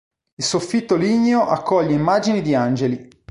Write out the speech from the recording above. Il soffitto ligneo accoglie immagini di angeli.